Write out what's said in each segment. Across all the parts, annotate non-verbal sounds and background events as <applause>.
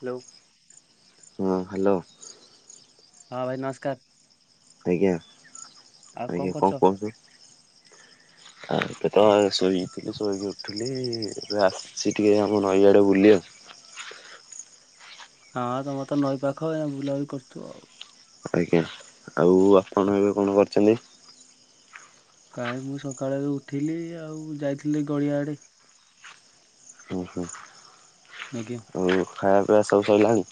Hello. ହଁ hello. ହଁ ଭାଇ ନମସ୍କାର। ଆଜ୍ଞା! ଆଉ ଆଜ୍ଞା! କରୁଛ? କଣ କୁହନ୍ତୁ? ଆଉ ଏଠି ତ ଶୋଇଥିଲି ଶୋଇକି ଉଠିଲି ଏବେ ଆସିଛି ଟିକେ ଆମ ନଈଆଡେ ବୁଲି ଆକୁ। <inaudible> ହଁ ତମର ତ ନଈ ପାଖ ଏଇନା ବୁଲା ବୁଲି ବ କରୁଥିବ ଆଉ। ଆଜ୍ଞା ଆଉ ଆପଣ ଏବେ କଣ କରିଛନ୍ତି। କାଇଁ ମୁଁ ସକାଳେ ଏବେ ଉଠିଲି ଆଉ ଯାଇଥିଲି ଗଡିଆ ଆଡେ। ଆଜ୍ଞା। ଉ ଖାଇବା ପିଇବା ସବୁ ସଇଲାଣି।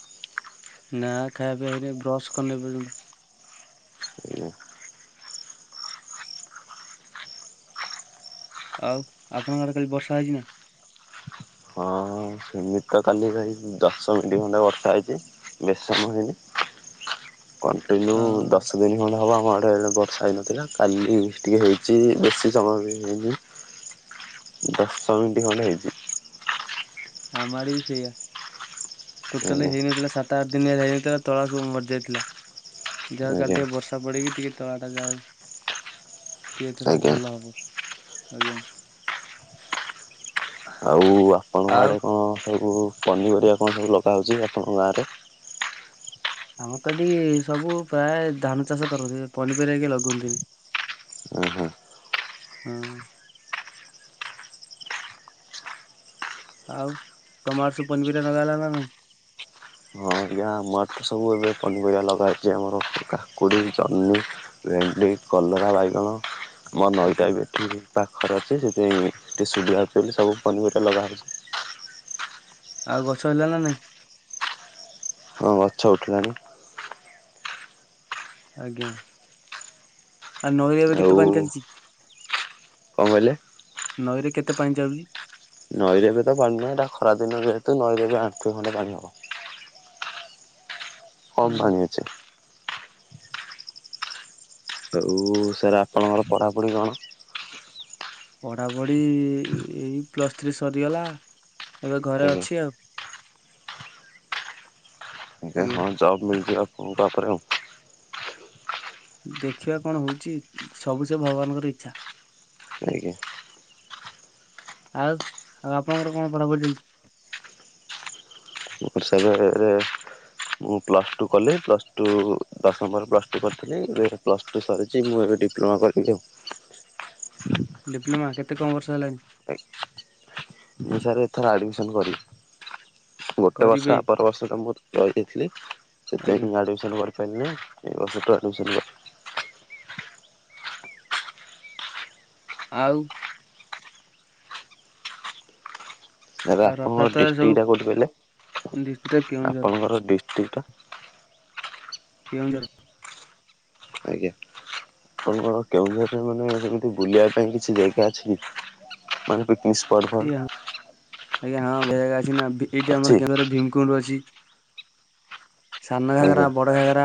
ନା ଖାଇଆ ପିଆ ହେଇନି ବ୍ରସ୍ କରିନି ଏପରଜନ୍ତ। ଆଜ୍ଞା। ଆଉ ଆପଣଙ୍କ ଆଡେ କାଲି ବର୍ଷା ହେଇଛି ନା। ମିତ୍ର କାଲି ଭାଇ ଦଶ ମିନଟ୍ ଖଣ୍ଟେ ବର୍ଷା ହେଇଛି ବେସି ସମୟ ହେଇନି। କଣ୍ଟିନ୍ୟୁ ହଁ ଦଶ ଦିନ ଖଣ୍ଡେ ହବ ଆ ଆମ ଆଡ଼େ ହେଲେ ବର୍ଷା ହେଇନଥିଲା କାଲି ଟିକେ ହେଇଛି ବେଶୀ ସମୟ ବି ହେଇନି। ଦଶ ମିନିଟ ଖଣ୍ଡେ ହେଇଚି। ଆମ ଆଡେ ବି ସେଇଆ ଟୋଟାଲ ଆଜ୍ଞା ହେଇନଥିଲା ସାତ ଆଠ ଦି ନି ହେଲା ହେଇ ନଥିଲା ତଳା ସବୁ ମରିଯାଇଥିଲା ଯା ହଉ କାଲି ଆଜ୍ଞା ଟିକେ ବର୍ଷା ପଡିକି ଟିକେ। ତଳା ଟା ଯା ହଉ ଟିକେ ଏଥର ଆଜ୍ଞା। ଭଲ ହବ। ଆଜ୍ଞା। ଆଉ ଆପଣଙ୍କ ଆଉ ଆଡେ କଣ ସବୁ। ପନିପରିବା କଣ ସବୁ ଲଗାହଉଛି ଆପଣଙ୍କ ଗାଁରେ। ଆମର ତ ଏଠି ସବୁ ପ୍ରାୟ ଧାନ ଚାଷ କରନ୍ତି ପନିପରିବା କିଏ ଲଗଉନ୍ତିନି। ଆ। ହଁ। ଆଉ ତମ ଆଡେ ସବୁ ପନିପରିବା ଲଗାହେଲା ନା ନାଇଁ। ହଁ ଆଜ୍ଞା ଆମର ତ ସବୁ ଏବେ ପନିପରିବା ଲଗାହଉଛି ଆମର କାକୁଡ଼ି ଜହ୍ନି ଭେଣ୍ଡି। କଲରା ବାଇଗଣ ଆମ ନଈ ଆଜ୍ଞା ଟା ବି ଏଠି ପାଖରେ ଅଛି ସେଥିପାଇଁ। ଟିକେ ସୁିବିଧା ହଉଚି ବୋଲି ସବୁ ପନିପରିବା ଲଗା ହଉଛି। ଆଉ ଗଛ ହେଲା ନା ନାଇଁ। ହଁ ଗଛ ଉଠିଲାଣି। ଆଜ୍ଞା ଆଉ ନଈରେ ଏବେ ଆଉ କେତେ ପାଣି ଚାଲିଚି? କଣ କହିଲେ? ନଈରେ କେତେ ପାଣି ଚାଲୁଚି। ନଈରେ ଏବେ ତ ପାଣି ନାହିଁ ଏଟା ଖରା ଦିନ ଯେହେତୁ ନଈରେ ଏବେ ଆଣ୍ଠୁଏ ଖଣ୍ଡେ ପାଣି ହବ। କମ୍ ଓଃ, ପାଣି ଅଛି। ଆଉ ସାର୍ ଆପଣଙ୍କର ପଢ଼ାପଢ଼ି କଣ? ପଢାପଢି ଏଇ ପ୍ଲସ ଥ୍ରୀ ସରିଗଲା। ଏବେ ଘରେ ଆଜ୍ଞା ଅଛି ଆଉ। ଆଜ୍ଞା ହଁ ଜବ ମିଳଯିବ ଆପଣଙ୍କୁ ଆ ପରେ ଆଉ। ଦେଖିବା କଣ ହଉଛି ସବୁ ସେ ଭଗବାନଙ୍କ ର ଇଚ୍ଛା। ଆଜ୍ଞା। ଆଉ ଆଉ ଆପଣଙ୍କର କଣ ପଢା ପଢି ଚାଲିଚି? ମୋର ସାର୍ ଏବେ। ମୁଁ ପ୍ଲସ ଟୁ କଲି ପ୍ଲସ ଟୁ ଦଶମ ପରେ ପ୍ଲସ୍ ଟୁ କରିଥିଲି ଏବେ ପ୍ଲସ ଟୁ ସରିଛି ମୁଁ। ଏବେ ଡିପ୍ଲମା କରିବି ଆଉ। ଡିପ୍ଲୋମା କେତେ କଣ ବର୍ଷ ହେଲାଣିି? ମୁଁ ସାର୍ ଏଥର ଆଡମିସନ କରିଵି। ଗୋଟେ ବର୍ଷ କରିବେ ଆ ପର ବର୍ଷ ଟା ମୁଁ ରହି ଯାଇଥିଲି ଆଜ୍ଞା ସେଥିପାଇଁ ମୁଁ ଆଡମିଶନ୍ କରି ପାରିନି ଏ ବର୍ଷ ତ ଆଡମିଶନ। ଆଉ। ସାର୍ ଆଉ ଆପଣଙ୍କର ରଥଯାତ୍ରାରେ ସବୁ ଡିଷ୍ଟିକ ଟା କୋଉଠି କହିଲେ ଡିଷ୍ଟ୍ରିକ୍ଟ କେଉଁଝର ଆପଣଙ୍କର ଡିସ ଟିକ୍ ଟା। କେଉଁଝର। ଆଜ୍ଞା। କଣ କଣ କେଉଁଝର ମାନେ ସେମିତି ବୁଲିବା ପାଇଁ କିଛି ଜାଗା ଅଛି କି ମାନେ ନିଷ୍ ପର ଏଇ ହଁ ଫଡ ଆଜ୍ଞା ହଁ ଭଳିଆ ଜାଗା ଅଛି ନାଁ ଏଇଠି ଆମର କେଉଁଝର ଭୀମକୁଣ୍ଡ ଅଛି। ସାନ ଘାଗରା ଆଜ୍ଞା ବଡ ଘାଗରା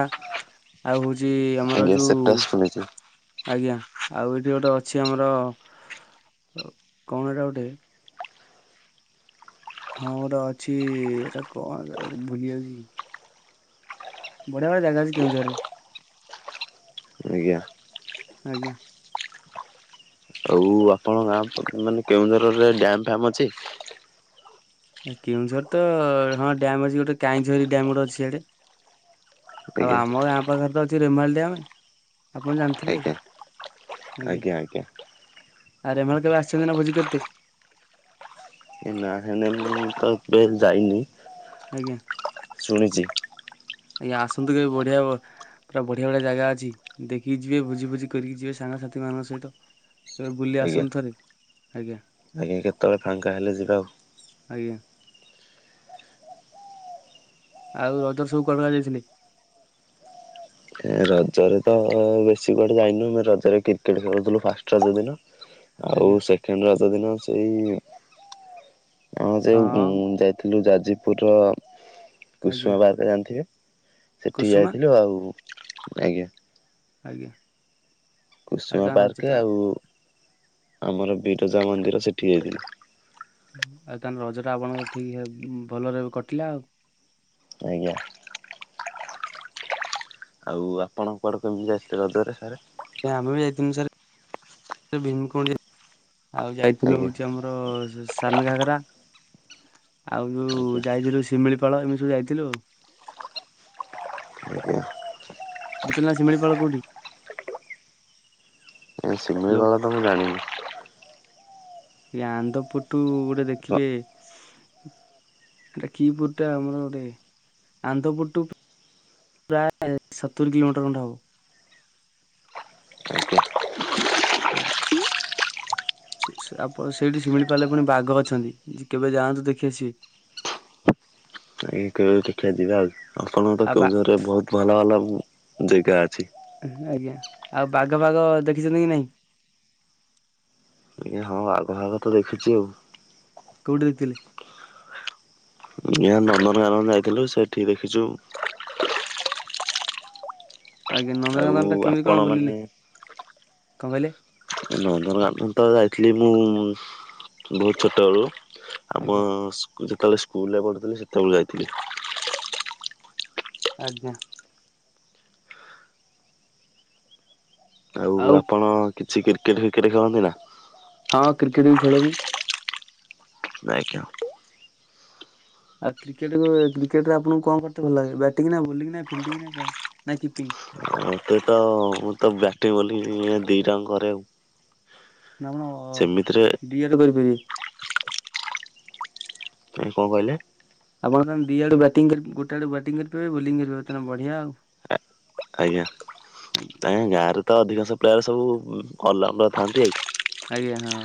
ଆଉ ହଉଛି ଯେ ଆମର ଆଜ୍ଞା ଯୋଉ ସେଟା ଶୁଣିଛି ଆଜ୍ଞା। ଆଉ ଏଇଠି ଗୋଟେ ଅଛି ଆମର କଣ ଏଟା ଗୋଟେ ହଁ ଗୋଟେ ଅଛି ଏଟା କଣ ଭୁଲି ଯାଉଛି। ବଢିଆ ବଢିଆ ଜାଗା ଅଛି କେଉଁଝରରେ। ଆଜ୍ଞା। ଆଜ୍ଞା ଆଉ ଆପଣଙ୍କ ଗାଁ ମାନେ କେଉଁଝର ରେ ଡ୍ୟାମ ଫ୍ୟାମ ଅଛି? କେଉଁଝର ତ ହଁ ଡ୍ୟାମ ଅଛି ଗୋଟେ କାହିଁଝରି ଡ୍ୟାମ ଅଛି ଇଆଡ଼େ ଆଉ ଆଜ୍ଞା ଆମ ଆମ ଗାଁ ପାଖରେ ତ ଅଛି ରେମାଲି ଡ୍ୟାମ। ଆପଣ ଜାଣିଥିବେ ଆଜ୍ଞା ଆଜ୍ଞା। ଆ ରେମଳକବେ ଆସିଛନ୍ତି ନାଁ ଭୋଜି କର୍ତେ? ଏ ନାଁ ନାଁ ମୁଁ ତ କେବେ ଯାଇନି। ଆଜ୍ଞା ଶୁଣିଛି। ଆଜ୍ଞା ଆସନ୍ତୁ କେବେ ବଢିଆ ହବ। ପୁରା ବଢିଆ ବଢିଆ ଜାଗା ଅଛି ଦେଖିକି ଯିବେ ଭୋଜି ଫୋଜି କରିକି ଯିବେ ସାଙ୍ଗସାଥି ମାନଙ୍କ ସହିତ। ସେ ବୁଲି ଆଜ୍ଞା ଆସନୁ ଥରେ। ଆଜ୍ଞା ଆଜ୍ଞା କେତେବେଳେ ଫାଙ୍କା ହେଲେ ଯିବା ଆଉ। ଆଜ୍ଞା ଆଉ ରଜ ସବୁ କୋଉଆଡେ ଯାଇଥିଲେ? ରଜରେ ତ ବେଶୀ କୁଆଡେ ଯାଇନୁ ଆମେ ରଜରେ କ୍ରିକେଟ ଖେଳୁଥିଲୁ ଫାଷ୍ଟ ରଜ ଦିନ। ଆଉ ଆଜ୍ଞା ସେକେଣ୍ଡ ରଜ ଦିନ ସେଇ ହଁ ଯଉ ଯାଇଥିଲୁ ଯାଜପୁର ଆଜ୍ଞା କୁଷ୍ମା ପାର୍କ ଜାଣିଥିବେ। ସେଠିକି କୁସୁମା ଯାଇଥିଲୁ ଆଉ ଆଜ୍ଞା। ଆଜ୍ଞା। ଆଉ କୁସୁମା ତାଙ୍କ ରଜ ପାର୍କ ଟା ଆଉ ଆମର ବିରଜା ମନ୍ଦିର ସେଠି ଯାଇଥିଲୁ। ଆଉ ତାଙ୍କ ରଜ ଟା ଆପଣଙ୍କର ଠିକ ଭଲରେ କଟିଲା ଆଉ। ଆଜ୍ଞା। ଆଉ ଆପଣ କୁଆଡେ ଫ୍ୟାମିଲ ଯାଇଥିଲେ ରଜରେ ସାର୍। ଆମେ ବି ଯାଇଥିଲଥିଲୁ ସାର୍ ଭୀମକୁଣ୍ଡ। ଆଉ ଯାଇଥିଲୁ ଆଜ୍ଞା ହଉଛି ଆମର ସାନ ଘାଗରା। ଆଉ ଯୋଉ ଆଜ୍ଞା ଯାଇଥିଲୁ ଶିମିଳିପାଳ ଏମିତି ସବୁ ଯାଇଥିଲୁ। <inaudible> <inaudible> ନା ଶିମିଳିପାଳ କୋଉଠି? ଶିମିଳିପାଳ ତ ମୁଁ ଜାଣିନି। ଆନ୍ଧପୁଟୁ ଗୋଟେ ଦେଖିବେ। ଏଟା କି ପୁରଟା ଆମର ଗୋଟେ ଆନ୍ତପୁର ଟୁ ପ୍ରାୟ ଏ ସତରି କିଲୋମିଟର ହବ। ଆଜ୍ଞା ଆଜ୍ଞା। ସେ ସେ ଟି ଆପଣ ସେଇଠି ଶିମିଳିପାଳ ରେ ପୁଣି ବାଘ ଅଛନ୍ତି କେବେ ଯାଆନ୍ତୁ ଦେଖି ଆସିବେ। <unintelligible> ଏଇ କେବଳ ଦେଖିବା ଯିବା ଆଉ ଆପଣଙ୍କ ତ ଆଉ ବା କେଉଁଝରରେ ବହୁତ ଭଲ ଭଲ ଜାଗା ଅଛି। ଆଜ୍ଞା ଆଉ ବାଘ ଫାଘ ଦେଖିଛନ୍ତି କି ନାହିଁ? ଆଜ୍ଞା ହଁ ବାଘ ଫାଗ ତ ଦେଖିଛି ଆଉ। ଦେଖିଲେ ଆଜ୍ଞା ନନ୍ଦନକାନନ ଯାଇଥିଲୁ ସେଠି ଦେଖିଛୁ। ଆଜ୍ଞା ଆଉ ନନ୍ଦନକାନନ ଟା କେମିତି ଆପଣ କଣ ବୁଲିଲେ ମାନେ କଣ କହିଲେ। ନନ୍ଦନକାନନ ତ ଯାଇଥିଲି ମୁଁ ବହୁତ ଛୋଟ ବେଳୁ ଆମ ଆଜ୍ଞା ଯେତେବେଳେ ସ୍କୁଲରେ ପଢ଼ୁଥିଲି ସେତେବେଳେ ଯାଇଥିଲି। ଆଜ୍ଞା। ଆଉ ଆପଣ କିଛି କ୍ରିକେଟ ଫିକେଟ ଖେଳନ୍ତି ନା। ହଁ କ୍ରିକେଟ ବି ଖେଳେ ମୁ। ଦେ୍ଞୁ <unintelligible> ଆଉ କ୍ରିକେଟ କ୍ରିକେଟ ରେ ଆପଣଙ୍କୁ କଣ କରତେ ଭଲ ଲାଗେ ବ୍ୟାଟିଂ ନା, ବୋଲିଙ୍ଗ ନ ଫିଲ୍ଡିଁଙ୍ଗ ନା କିପେଇଂ। ମତେ ତ ମୁଁ ତ ବ୍ୟାଟିଂ ବୋଲିଂ ଦି ଟା କରେ ଆଉ। ନାପଣ ସେମିତିରେ ଡିଏଡ କରିପାରି ବେ। ନାଇ କଣ କହିଲେ? ଆପଣ ଦି ଆଡ଼ୁ ଗୋଟ ବେ ବ୍ୟାଟିଂ କରିପାରେ ବଲିଂ କରିପାରିବେ ବଢିଆ ଆଉ। ଆଜ୍ଞା ଆ ଗାଁ ରେ ତ ଅଧିକାଂଶ ପ୍ୟାର ସବୁ ଆଲରାଉଣ୍ଡ ର ଥାନ୍ତି ଆଉ। ଆଜ୍ଞା ହଁ।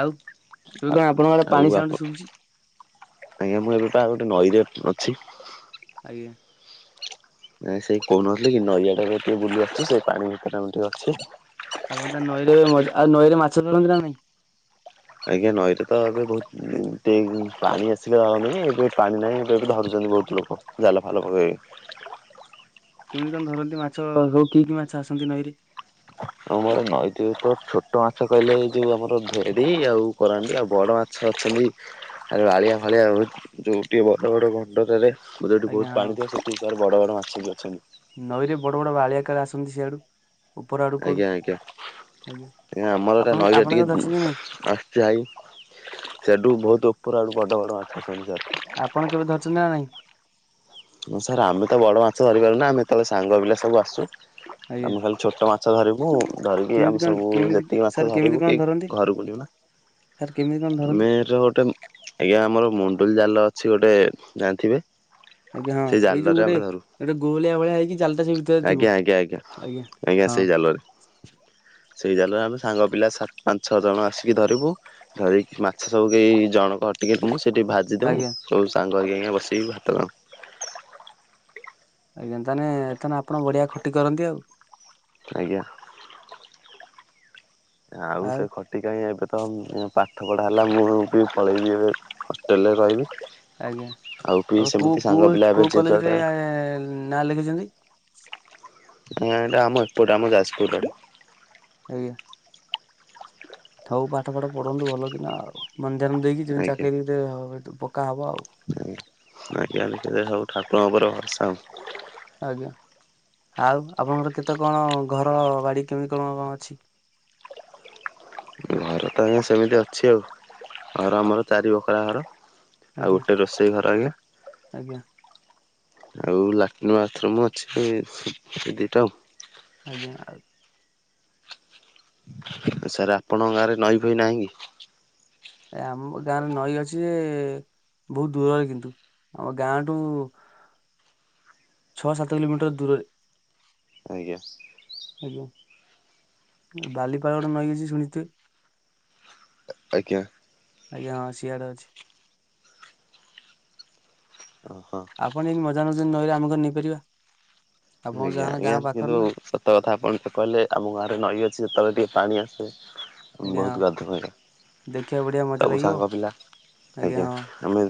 ଆଉ ଏବେ ଆଉ। କଣ ଆପଣଙ୍କ ଆଡେ ଆଉ ପାଣି ସାଉଣ୍ଡ ଆପଣ ଶୁଭୁଛି? ଆଜ୍ଞା ମୁଁ ଏବେ ପା ଗୋଟେ ନଈରେ ଅଛି। ଆଜ୍ଞା। ନାଇଁ ସେଇ କହୁନଥିଲେଥିଲେ କି ନଈଆ ଟା ଟିକେ ବୁଲି ଆସୁଛି ସେ ପାଣି ଭିତରେ ଅଛି। ଆପଣ ତା ନଈରେ ବି ମଜା ଆଉ ନଈରେ ମାଛ ଧରନ୍ତି ନା ନାଇଁ? ଆଜ୍ଞା ନଈରେ ତ ଏବେ ବହୁତ ଟେଙ୍କ ପାଣି ଆସିଲାଣି ଏବେ ପାଣି ନାହିଁ ଏ ଏବେବି ଧରୁ ବହୁତ ଲୋକ ଜାଲ ଭାଲ ପକେଇ। କେମିତି କଣ ଧରନ୍ତି ମାଛ ହଉ କି କି ମାଛ ଆସନ୍ତି ନଈରେ। ଆମୋର ନଈ ତୋ ଛୋଟ ମାଛ କହିଲେ ଏଇ ଯୋଉ ଆମର ଭେରଡି ଆଉ କରାଣ୍ଡି ଆଉ ବଡ ମାଛ ଛନ୍ତି ଆ ବାଳିଆ ଫାଳିଆ ଯେଉଁଟିଏ ବଡ଼ ବଡ଼ ଖଣ୍ଡ ଠାରେ ବୋଥେ ଏଇଠି ଆଜ୍ଞା ବହୁତ ହଁ। ପାଣି ଥିବ ସେଠି ହିରେ ବଡ ବଡ ମାଛ ଅଛନ୍ତି। ନଈରେ ବଡ ବଡ ବାଳିଆ କାଳେ ଆସୁଛନ୍ତି ସେଆଡୁ। ଆଜ୍ଞା ଆଜ୍ଞା। ଆମର ଏଟା ଆପଣ ନଈରେ ଆପଣ କେବେ ଟିକେ ଧରିଛନ୍ତି ନା ନାଇଁ ଆସଛି ଭାଇ ସେଠୁ ବହୁତ ପୁରାଠୁ ବଡ଼ ବଡ଼ ମାଛ କିଣି ସାର। ଆପଣ କେବେ ଧରିଛନ୍ତି ନା ନାଇଁ? ସାର୍ ଆମେ ତ ବଡ ମାଛ ଧରି ପାରୁନା ଆମେ ତ ସାଙ୍ଗ ପିଲା ସବୁ ଆସୁ ଆଜ୍ଞା ଆମେ ଖାଲି ଛୋଟ ମା ମାଛ ଧରିବୁ ଧରିକି କେମିତି ଆମେ କଣ ସବୁ କେମିତି ଯେତିକି ସାର୍ ମାଛ କେମିତି ଧରିବୁ କଣ କି ଧରନ୍ତି ଘରୁ ଯିବୁ ସାର୍ କେମିତି କଣ ଧରନ୍ତି ଆମେର ଗୋଟେ ଆଜ୍ଞା ଆମର ମୁଣ୍ଡୁଲି ଜାଲ ଅ ସେ ଗୋଟେ ଯାଣଥିବେ ଆଜ୍ଞା ହଁ ଏଇ ଯୋଉ ଗୋଟେ ଗୋଟେ ଗୋହଳିଆ ଭଳିଆ ହେଇକି ଜାଲଟା ସେ ଭିତରେ ଆଜ୍ଞା ଥିବ ଆଜ୍ଞା ଆଜ୍ଞା ହଁ। ସେଇ ଜାଲରେ। ସେଇ ଜାଲରେ ଆମେ ସାଙ୍ଗ ପିଲା ସାତ ପାଞ୍ଚ ଛଅ ଜଣ ଆସିକି ଧରିବୁ ଧରିକି ମାଛ ସବୁ କେହି ଜଣକ କଟିକି ତମ ସେଠି ଭାଜି ଦଉ ଆଜ୍ଞା ସବୁ ସାଙ୍ଗ ଆଜଞ ବସିକି ଭାତ ଖାଉ। ଆଜ୍ଞା ତାନେ ତୋନେ ଆପଣ ବଢିଆ ଖଟି କରନ୍ତି ଆଉ। ଆଜ୍ଞା। ଆଉ ସେ ଖଟି କାହିଁ ଏବେ ତ ପାଠପଢ଼ା ହେଲା ମୁଁ ବି ପଳେଇବି ଏବେ ହଷ୍ଟେଲରେ ରହିବି। ଆଜ୍ଞା। ବି ଆଉ କୋଉ ସେମିତି ସାଙ୍ଗ କୋଉ ପିଲା ଟ ଏବେ କୋଉ ଯେ କଲେଜରେ ଯୁଆଡେ ନାଁ ଲେଖିଛନ୍ତି? ହଁଟା ଆମର ଏପଟ ଆମର ଯାଜପୁର ଆଡ଼େ। ଆଜ୍ଞା। ହଉ ପାଠ ପାଠ ପଢନ୍ତୁ ଭଲ କି ନା ମନ୍ାନ ଦେଇକି ଯେମତି ଆଜ୍ଞା ଚାକିରିରେ ପକା ହବ ଆଉ। ଆସ ଆଜ୍ଞା। ଆଉ ଆପଣଙ୍କର କେତେ କଣ ଘର ବାଡି କେମିତି କଣ କଣ ଅଛି? <inaudible> ଘର ତ ଆଜ୍ଞା ସେମିତି ଅଛି ଆଉ ଘର ଆମର ଚାରି ବଖରା ଘର। ଆଉ ଆଜ୍ଞା ଗୋଟେ ରୋଷେଇ ଘର ଆଗେ ଆଜ୍ଞା ଆଉ ଲାଟ୍ରନ୍ ବାଥରୁମ ଅଛି ଏ ଦିଇଟା ଆଉ। ଆଜ୍ଞା ଆଉ ସାର୍ ଆପଣଙ୍କ ଗାଁରେ ନଈ ପୋଇ ନାହିଁ କି? ଏ ଆମ ଗାଁରେ ନଈ ଅଛି ବହୁତ ଦୂରରେ କିନ୍ତୁ ଆମ ଗାଁଠୁ ଛଅ ସାତ କିଲୋମିଟର ଦୂରରେ ଆଜ୍ଞା। ଆଜ୍ଞା ବାଲିପାଳ ଗୋଟେ ନଈ ଅଛି ଶୁଣିଥିବେ ଆଜ୍ଞା। ଆଜ୍ଞା ହଁ ସିଆଡେ ଅଛି। ଓହୋ। ଆପଣ ଯଦି ମଜା ନେଉଚନ୍ତି ନଈରେ ଆମେ କଣ ନେଇପାରିବା ଆପଣଙ୍କ ଆଜ୍ଞା ଯାହା ଆଜ୍ଞା ଗାଁ ପାଖରେ କିନ୍ତୁ ନା ସତ କଥା ଆପଣ ଟ କହିଲେ ଆମ ଗାଁରେ ନଈ ଅଛି ଯେତେବେଳେ ଟିକେ ପାଣି ଆସେ ଆଜ୍ଞା ହଁ ବହୁତ ଗାଧୁ ହେଲା ଦେଖିବାକୁ ବଢିଆ ମଜା ସବୁ ଲାଗିବ ସାଙ୍ଗ ପିଲା ଆଜ୍ଞା ଆମେ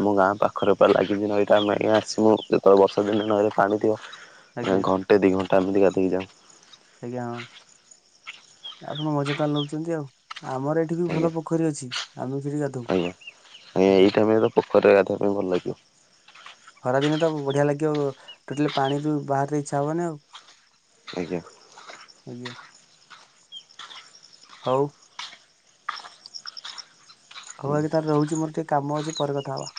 ଆମ ଗାଁ ପାଖରେ ପା ଲାଗିଛି ନଈ ତ ଆମେ ଆସମୁ ଯେତେବେଳେ ବର୍ଷା ଦିନେ ନଈରେ ପାଣି ଥିବ ଆଜ୍ଞା ଘଣ୍ଟେ ଦୁଇ ଘଣ୍ଟା ଏମତିତି ହେ ଯାଉ ଆଜ୍ଞା ହଁ। ଆପଣ ମଜା ତ ନଉଛନ୍ତି ଆଉ ଆମର ଏଠି ବି ଆଜ୍ଞା ଭଲ ପୋଖରୀ ଅଛି ଆମେ ସେଠି ଗାଧଉ ଆଜ୍ଞା ଆଜ୍ଞା ଏଇଟାଇମ ପୋଖରୀରେ ଗାଧିବାବା ପାଇଁ ଭଲ ଲାଗିବ। ଖରାଦିନ ତ ବଢିଆ ଲାଗିବ ଟୋଟାଲି ପାଣିରୁ ବାହାରେ ଇଚ୍ଛା ହବନି ଆଉ। ଆଜ୍ଞା। ହୋଉ। ହଉ ଆଜି ତାର ରହୁଚି ମୋର ଟିକେ କାମ ଅଛି ପରେ କଥା ହବା।